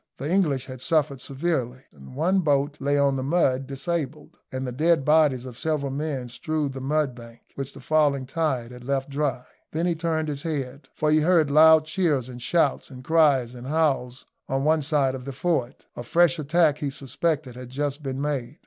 The English had suffered severely. One boat lay on the mud, disabled, and the dead bodies of several men strewed the mudbank, which the falling tide had left dry. Then he turned his head, for he heard loud cheers and shouts, and cries and howls, on one side of the fort. A fresh attack, he suspected, had just been made.